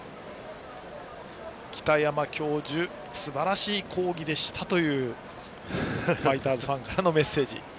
北山教授すばらしい講義でしたというファイターズファンからのメッセージ。